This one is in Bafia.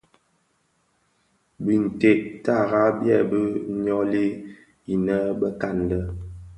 Binted tara byèbi nyoli inë bekan lè.